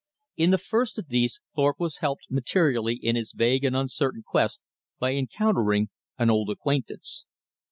In the first of these Thorpe was helped materially in his vague and uncertain quest by encountering an old acquaintance.